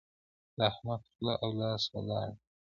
د احمد خوله او لاس ولاړ دي.